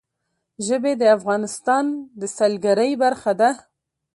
ژبې د افغانستان د سیلګرۍ برخه ده.